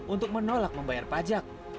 untuk menolak membayar pajak